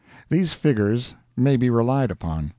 These figures may be relied upon.